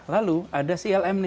lalu ada clm nih